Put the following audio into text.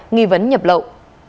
nghi vấn nhập lậu